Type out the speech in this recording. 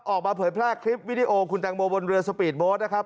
เผยแพร่คลิปวิดีโอคุณแตงโมบนเรือสปีดโบสต์นะครับ